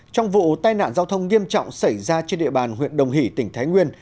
trong vụ tai nạn giao thông nghiêm trọng xảy ra trên địa bàn huyện đồng hỷ tỉnh thái nguyên